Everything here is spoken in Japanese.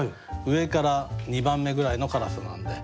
上から２番目ぐらいの辛さなんで。